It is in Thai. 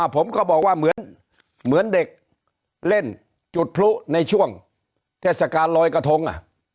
ผมก็บอกว่าเหมือนเด็กเล่นจุดพลุในช่วงเทศกาลลอยกระทง